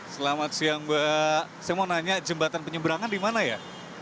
selamat siang mbak saya mau nanya jembatan penyeberangan di mana ya